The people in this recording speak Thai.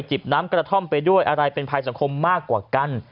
บน้ำกระท่อมไปด้วยอะไรเป็นภัยสังคมมากกว่ากัน